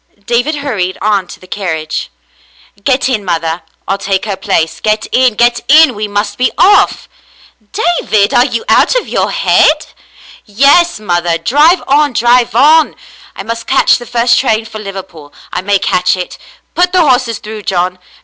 David hurried on to the carriage. " Get in, mother, I'll take her place. Get in, get in. We must be off." 294 The Mountain Girl "David, are you out of your head ?"*' Yes, mother. Drive on, drive on. I must catch the first train for Liverpool — I may catch it. Put the horses through, John.